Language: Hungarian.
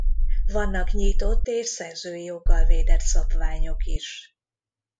Vannak nyitott és szerzői joggal védett szabványok is.